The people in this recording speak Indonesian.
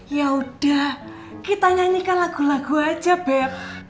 yaudah kita nyanyikan lagu lagu aja beb